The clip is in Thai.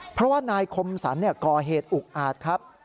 เพราะว่านายคมสรรก่อเหตุอุกอาจครับ